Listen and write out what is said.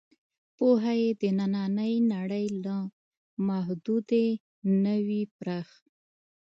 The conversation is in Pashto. پوهه یې د نننۍ نړۍ له محدودې نه وي پراخ.